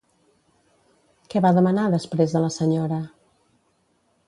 Què va demanar després a la senyora?